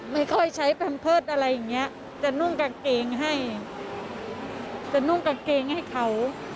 ไม่ค่อยใช้แฟมเพิดอะไรอย่างนี้จะนุ่งกางเกงให้เค้า